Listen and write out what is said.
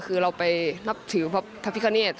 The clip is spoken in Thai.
คือเราไปนับถือพระพิคเนต